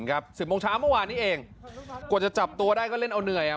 สิบโมงเช้าเมื่อวานนี้เองกว่าจะจับตัวได้ก็เล่นเอาเหนื่อยอ่ะ